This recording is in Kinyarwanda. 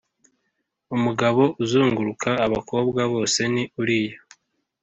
umugabo uzunguruka abakobwa bose ni uriya